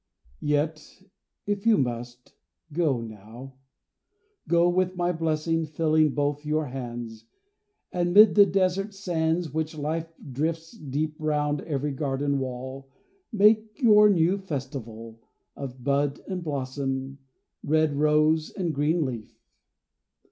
Yet if you must go now: Go, with my blessing filling both your hands, And, mid the desert sands Which life drifts deep round every garden wall, Make your new festival Of bud and blossom red rose and green leaf.